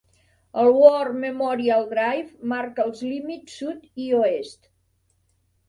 El War Memorial Drive marca els límits sud i oest.